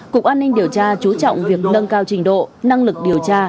cục an ninh điều tra chú trọng việc nâng cao trình độ năng lực điều tra